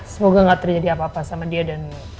semoga gak terjadi apa apa sama dia dan